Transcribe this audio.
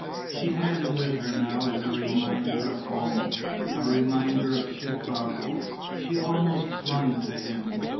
She had him with her now as a reminder of home, a reminder of Chicago; she almost clung to him.